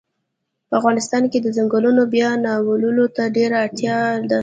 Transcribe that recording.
په افغانستان کښی د ځنګلونو بیا نالولو ته ډیره اړتیا ده